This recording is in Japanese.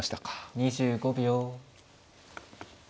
２５秒。